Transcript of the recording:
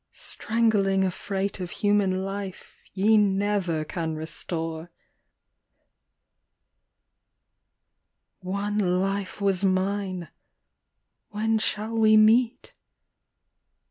Strangling a freight of human life ye never can restore ; One life was mine, — when shall we meet